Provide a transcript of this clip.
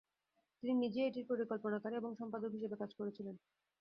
তিনি নিজেই এটির পরিকল্পনাকারী এবং সম্পাদক হিসেবে কাজ করেছিলেন।